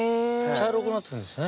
茶色くなってるんですね。